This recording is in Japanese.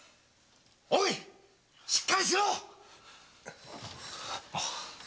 おいしっかりしろ！